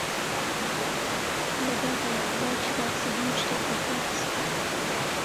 لەگەڵ دایک و باوکی باسی هەموو شتێک دەکات.